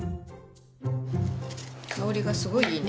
香りがすごいいいね。